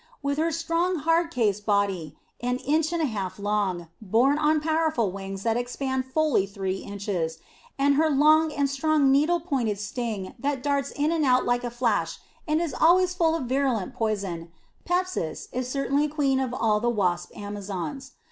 With her strong hard cased body an inch and a half long, borne on powerful wings that expand fully three inches, and her long and strong needle pointed sting that darts in and out like a flash and is always full of virulent poison, Pepsis is certainly queen of all the wasp amazons.